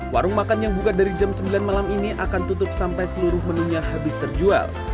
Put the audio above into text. warung makan yang buka dari jam sembilan malam ini akan tutup sampai seluruh menunya habis terjual